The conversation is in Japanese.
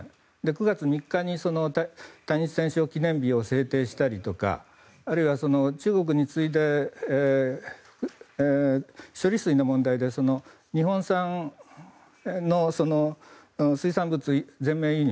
９月３日に対日戦勝記念日を制定したりとかあるいは、中国について処理水の問題で日本産の水産物の全面輸入。